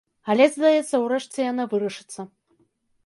Але здаецца, урэшце яна вырашыцца.